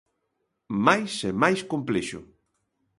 Mais é máis complexo.